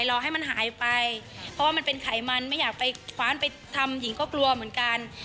รอให้มันหายไปเพราะว่ามันเป็นไขมันไม่อยากไปคว้านไปทำหญิงก็กลัวเหมือนกัน